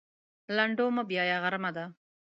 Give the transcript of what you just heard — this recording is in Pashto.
لنډو مه بیایه غرمه ده.